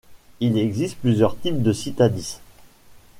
Il existe plusieurs types de Citadis.